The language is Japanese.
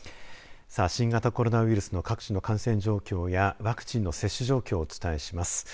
さあ新型コロナウイルスの各地の感染状況やワクチンの接種状況をお伝えします。